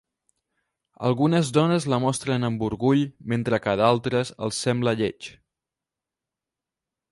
Algunes dones la mostren amb orgull mentre que a d'altres els sembla lleig.